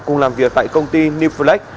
cùng làm việc tại công ty newflex